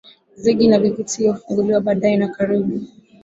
Zengi ya vivutio hufunguliwa baadaye na karibu